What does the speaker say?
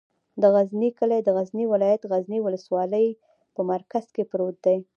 د غزنی کلی د غزنی ولایت، غزنی ولسوالي په مرکز کې پروت دی.